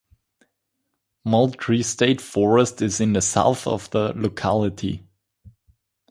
Moultrie State Forest is in the south of the locality.